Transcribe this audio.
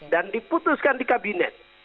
dan diputuskan di kabinet